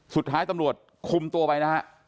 สุดท้ายตำรวจคุมตัวไปนะฮะ